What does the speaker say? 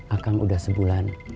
akang udah sebulan